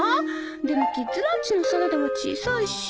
でもキッズランチのサラダは小さいし。